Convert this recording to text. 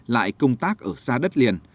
lại công tác ở xa đất liền